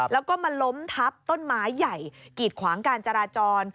แล้วก็มาล้มทับต้นไม้ใหญ่กีดขวางการจราจร